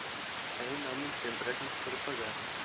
Ainda há muitos empréstimos para pagar.